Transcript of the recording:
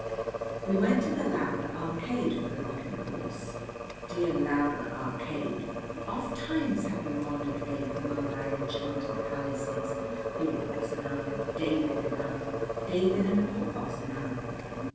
We went to the Lowther Arcade for the rocking horse. Dear Lowther Arcade! Ofttimes have we wandered agape among thy enchanted palaces, Porthos and I, David and I, David and Porthos and I.